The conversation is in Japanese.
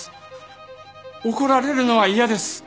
怒られるのは嫌です。